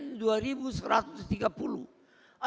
ada pesawat terbang yang pertama